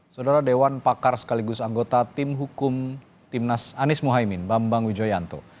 saudara dewan pakar sekaligus anggota tim hukum timnas anies mohaimin bambang wijoyanto